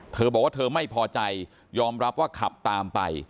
เธอบอกว่าเธอไม่พอใจยอมรับว่าขับตามไป